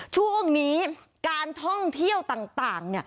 ช่วงนี้การท่องเที่ยวต่าง